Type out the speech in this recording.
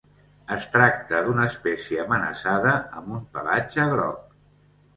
Es tracta d'una espècie amenaçada, amb un pelatge groc.